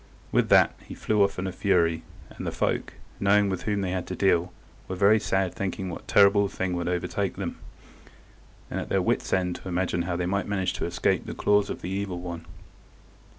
With that he flew off in a fury, and the folk, knowing with whom they had to deal, were very sad thinking what terrible thing would overtake them, and at their wits' end to imagine how they might manage to escape the claws of the Evil One.